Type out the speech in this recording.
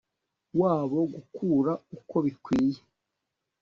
wabo gukura uko bikwiye